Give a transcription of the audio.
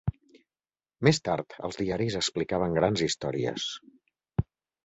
Més tard, els diaris explicaven grans històries...